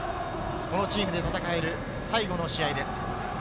このチームで戦える最後の試合です。